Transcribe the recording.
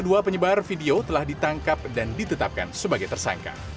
dan penyebar video telah ditangkap dan ditetapkan sebagai tersangka